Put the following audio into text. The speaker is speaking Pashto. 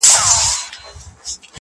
که مي د دې وطن له کاڼي هم کالي څنډلي.